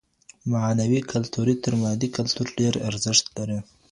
معنوي کلتور تر مادي کلتور ډېر ارزښت لري.